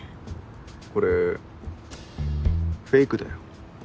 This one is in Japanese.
これフェイクだよ。